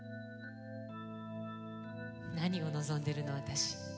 何を望んでるのあたし。